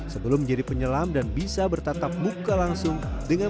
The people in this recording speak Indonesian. sebelum menjadi penyelam dan bisa berpengalaman